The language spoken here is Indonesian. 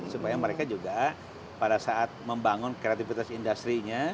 supaya mereka juga pada saat membangun kreatifitas industri